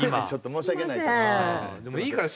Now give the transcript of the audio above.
ちょっと申し訳ない。